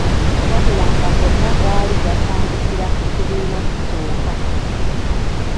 Wabula nga gonna gaali gatandikira ku kibiina kisooka.